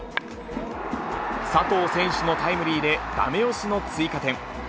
佐藤選手のタイムリーで、だめ押しの追加点。